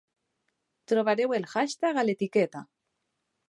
Trobareu el hashtag a l'etiqueta.